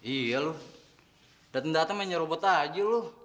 iya lo dateng dateng mainnya robot aja lo